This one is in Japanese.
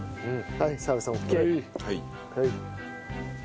はい。